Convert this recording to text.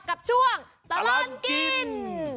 กับช่วงตลอดกิน